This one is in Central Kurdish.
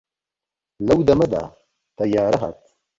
لەو دەمەدا تەیارە هات